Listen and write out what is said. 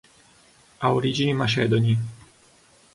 Ha origini macedoni.